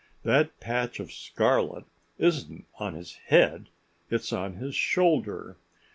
That patch of scarlet isn't on his head. It's on his shoulder.